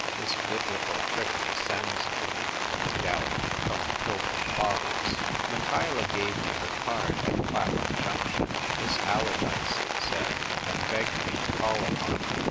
(This Biblical trick descends to me, no doubt, from the Pilgrim Fathers.) Michaela gave me her card at Clapham Junction — "Miss Allardyce" it said — and begged me to call upon her.